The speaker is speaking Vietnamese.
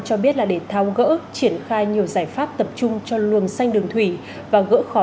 cho biết là để thao gỡ triển khai nhiều giải pháp tập trung cho luồng xanh đường thủy và gỡ khó